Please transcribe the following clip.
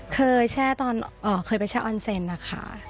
เคยแช่ตอนเคยไปแช่ออนเซนค่ะ